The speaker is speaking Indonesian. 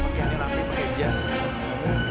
pakaiannya rapih pake jazz